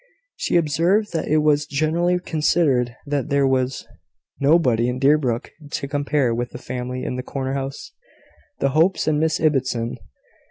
She observed that it was generally considered that there was nobody in Deerbrook to compare with the family in the corner house the Hopes and Miss Ibbotson.